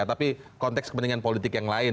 tapi konteks kepentingan politik yang lain